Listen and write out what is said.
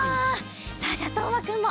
さあじゃあとうまくんも。